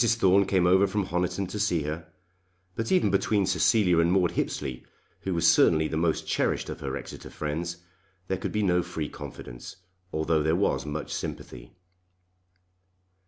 Thorne came over from Honiton to see her, but even between Cecilia and Maude Hippesley, who was certainly the most cherished of her Exeter friends, there could be no free confidence, although there was much sympathy.